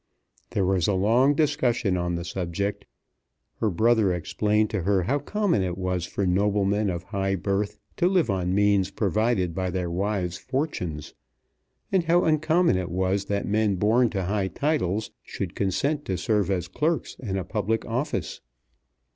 There was a long discussion on the subject. Her brother explained to her how common it was for noblemen of high birth to live on means provided by their wives' fortunes, and how uncommon it was that men born to high titles should consent to serve as clerks in a public office.